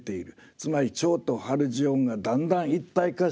つまり「蝶」と「ハルジオン」がだんだん一体化してくる。